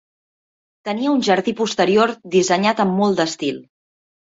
Tenia un jardí posterior dissenyat amb molt d'estil